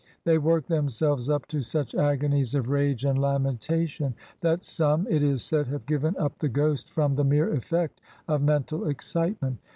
They work themselves up to such agonies of rage and lamentation that some, it is said, have given up the ghost from the mere effect of mental excitement.